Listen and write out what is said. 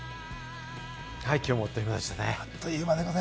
きょうもあっという間でしたね。